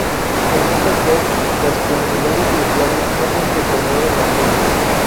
En estas webs las comunidades de usuarios son las que promueven las compras.